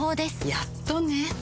やっとね